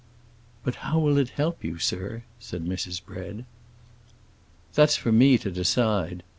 "But how will it help you, sir?" said Mrs. Bread. "That's for me to decide.